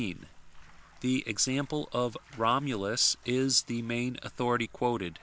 The example of Romulus is the main authority quoted.